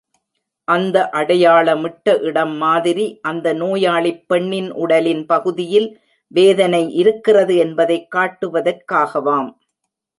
அந்த அடையாளமிட்ட இடம் மாதிரி அந்த நோயாளிப் பெண்ணின் உடலின் பகுதியில் வேதனை இருக்கிறது என்பதைக் காட்டுவதற்காகவாம்.